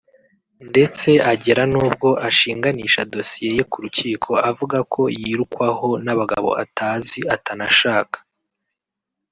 ndetse agera nubwo ashinganisha dosiye ye ku rukiko avuga ko yirukwaho n’abagabo atazi atanashaka